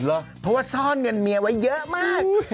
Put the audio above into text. เพราะว่าซ่อนเงินเมียไว้เยอะมาก